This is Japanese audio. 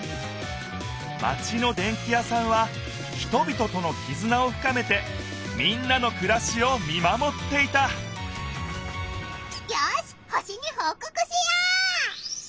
マチのでんき屋さんは人びととのきずなをふかめてみんなのくらしを見まもっていたよし星にほうこくしよう！